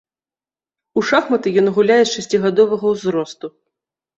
У шахматы ён гуляе з шасцігадовага ўзросту.